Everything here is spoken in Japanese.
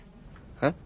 えっ？